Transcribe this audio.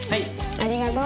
ありがとう。